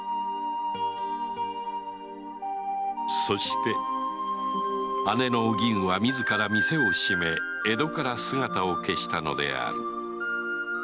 そして姉のお吟は自ら店を閉め江戸から姿を消したのである